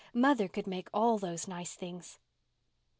Mother could make all those nice things."